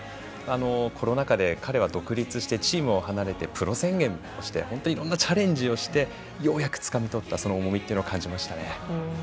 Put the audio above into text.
コロナ禍で彼はチームを独立してプロ宣言をしていろんなチャレンジをしてようやくつかみとった重みを感じましたね。